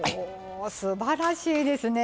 すばらしいですね